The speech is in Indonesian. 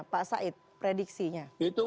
pak said prediksinya